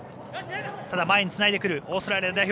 ただ、前につないでくるオーストラリア代表。